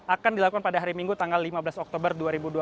akan dilakukan pada hari minggu tanggal lima belas oktober dua ribu dua puluh